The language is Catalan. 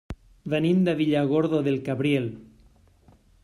Venim de Villargordo del Cabriel.